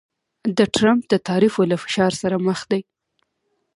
د ټرمپ د تعرفو له فشار سره مخ دی